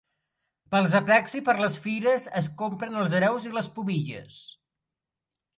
Pels aplecs i per les fires es compren els hereus i les pubilles.